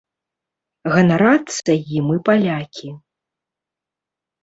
Ганарацца ім і палякі.